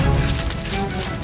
akan kau menang